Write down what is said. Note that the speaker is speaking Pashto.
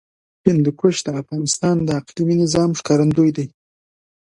هندوکش د افغانستان د اقلیمي نظام ښکارندوی ده.